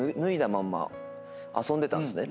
まんま遊んでたんですね。